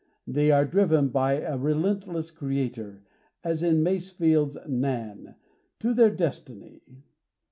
They are driven by a relentless creator, as in Masefield's "Nan," to their destiny.